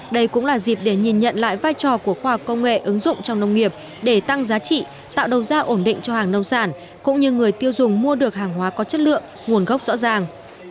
đây cũng là dịp để nhìn nhận lại vai trò của khoa học công nghệ ứng dụng trong nông nghiệp để tăng giá trị tạo đầu ra ổn định cho hàng nông sản cũng như người tiêu dùng mua được hàng hóa có chất lượng nguồn gốc rõ ràng